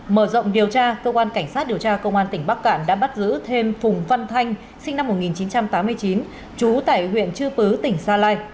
mở rộng điều tra cơ quan cảnh sát điều tra công an tỉnh bắc cạn đã bắt giữ thêm phùng văn thanh sinh năm một nghìn chín trăm tám mươi chín trú tại huyện chư pứ tỉnh gia lai